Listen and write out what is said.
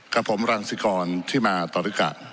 กับผมรังสิกรที่มาตรึกะ